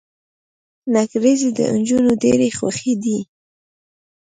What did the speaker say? نکریزي د انجونو ډيرې خوښې دي.